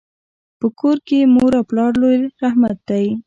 په کور کي مور او پلار لوی رحمت دی.